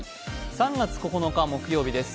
３月９日木曜日です。